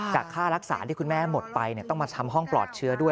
ค่ารักษาที่คุณแม่หมดไปต้องมาทำห้องปลอดเชื้อด้วย